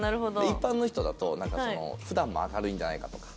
一般の人だとなんか普段も明るいんじゃないかとか。